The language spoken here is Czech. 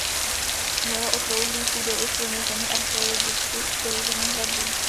Mělo okrouhlý půdorys vymezený archeologicky doloženou hradbou.